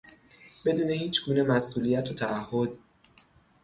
بدون هیچگونه مسئولیت و تعهد